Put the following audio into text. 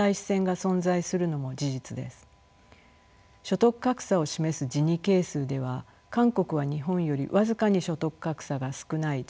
所得格差を示すジニ係数では韓国は日本より僅かに所得格差が少ない状態です。